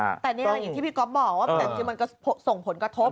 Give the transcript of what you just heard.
แต่นี่อย่างที่พี่ก๊อฟบอกว่าแต่จริงมันก็ส่งผลกระทบ